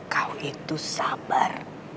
kau itu sabar